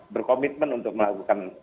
berkomitmen untuk melakukan